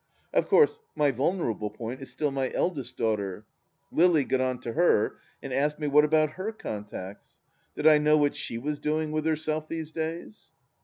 Of course my vulnerable point is still my eldest daughter. Lily got on to her, and asked me what about her contacts ? Did I know what she was doing with herself these days